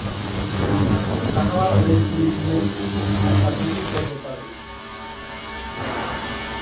Sahala ode zdí městských až na druhý břeh Vltavy.